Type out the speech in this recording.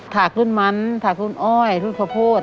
ถากรุ่นมันถากรุ่นอ้อยรุ่นข้าวโพด